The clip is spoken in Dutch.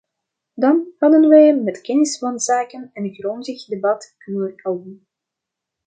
Dan hadden wij met kennis van zaken een grondig debat kunnen houden.